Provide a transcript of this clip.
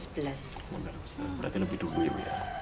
berarti lebih dulu ya bu ya